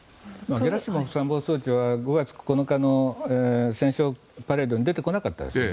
ゲラシモフ参謀総長は５月９日の戦勝記念日に出てこなかったですね。